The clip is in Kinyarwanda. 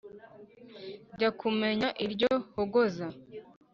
njya kumenya iryo hogoza